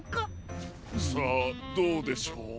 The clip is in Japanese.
さあどうでしょう？